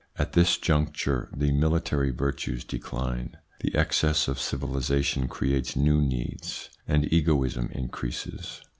At this juncture the military virtues decline, the excess of civilisation creates new needs, and egoism increases.